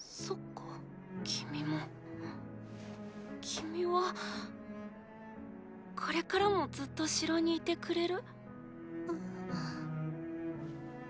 君はこれからもずっと城にいてくれる？